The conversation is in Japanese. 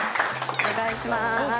お願いしまーす。